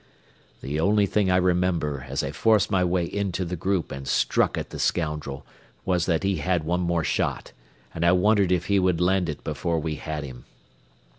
The only thing I remember as I forced my way into the group and struck at the scoundrel was that he had one more shot, and I wondered if he would land it before we had him.